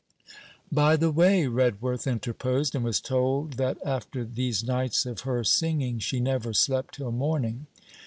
'By the way,' Redworth interposed, and was told that after these nights of her singing she never slept till morning.